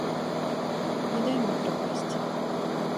Не дай мне прапасці.